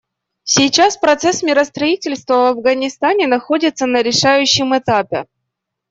Сейчас процесс миростроительства в Афганистане находится на решающем этапе.